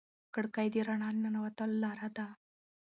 کړکۍ د رڼا د ننوتلو لار ده.